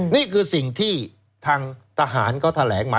นี่คือสิ่งที่ทางทหารเขาแถลงมา